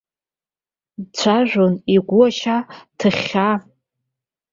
Дцәажәон игәы ашьа ҭыхьхьа.